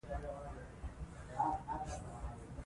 هري ښځي غوښتل چي ډاکټره سي